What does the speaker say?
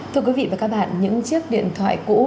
thưa quý vị và các bạn những chiếc điện thoại cũ